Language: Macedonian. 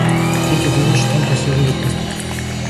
Тие ќе дојдат штом ќе си отидат гостите.